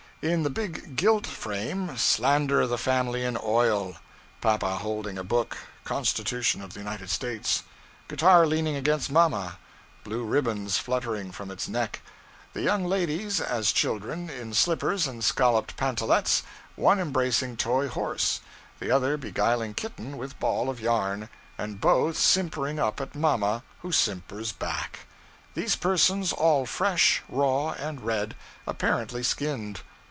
In big gilt frame, slander of the family in oil: papa holding a book ['Constitution of the United States'); guitar leaning against mamma, blue ribbons fluttering from its neck; the young ladies, as children, in slippers and scalloped pantelettes, one embracing toy horse, the other beguiling kitten with ball of yarn, and both simpering up at mamma, who simpers back. These persons all fresh, raw, and red apparently skinned.